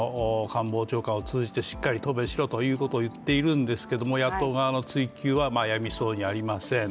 官房長官を通じてしっかり討論しろということを言っているんですけれども野党側の追及はやみそうにありません。